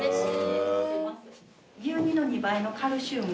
牛乳の２倍のカルシウム。